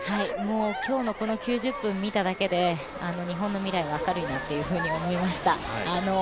今日のこの９０分見ただけで日本の未来は明るいなと思いました。